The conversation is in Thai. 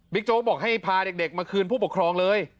โจ๊กบอกให้พาเด็กมาคืนผู้ปกครองเลย